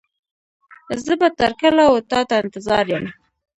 زه به تر کله و تا ته انتظار يم.